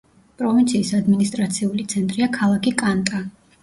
პროვინციის ადმინისტრაციული ცენტრია ქალაქი კანტა.